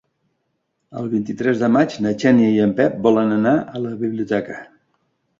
El vint-i-tres de maig na Xènia i en Pep volen anar a la biblioteca.